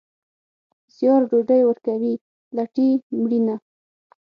زیار ډوډۍ ورکوي، لټي مړینه.